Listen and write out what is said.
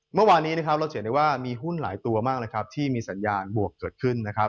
เมื่อวานนี้เราเห็นได้ว่ามีหุ้นหลายตัวมากที่มีสัญญาณบวกเกิดขึ้น